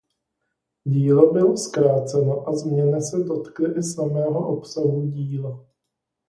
Dílo bylo zkráceno a změny se dotkly i samého obsahu díla.